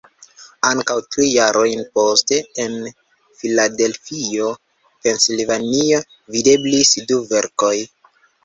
Ankaŭ tri jarojn poste en Filadelfio (Pensilvanio) videblis du verkoj.